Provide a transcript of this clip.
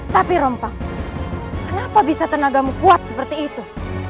tapi rompak kenapa bisa tenagamu kuat seperti itu